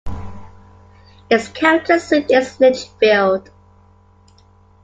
Its county seat is Litchfield.